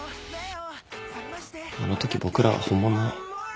あのとき僕らは本物の。